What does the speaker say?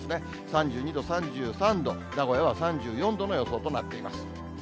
３２度、３３度、名古屋は３４度の予想となっています。